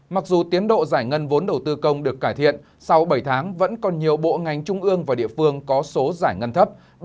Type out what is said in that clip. mặc dù tiến độ giải ngân vốn đầu tư công được cải thiện sau bảy tháng vẫn còn nhiều bộ ngành trung ương và địa phương có số giải ngân thấp